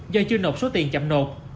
do chưa nộp số tiền chậm nộp